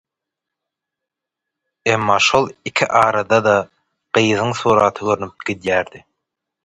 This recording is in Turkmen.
emma şol iki arada-da gyzyň suraty görnüp gidýärdi.